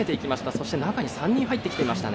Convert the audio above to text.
そして、中に３人、入ってきていましたね。